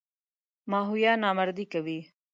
ماهویه نامردي کوي.